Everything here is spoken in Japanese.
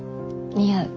似合う？